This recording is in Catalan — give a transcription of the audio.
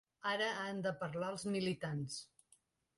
Ara han de parlar els militants.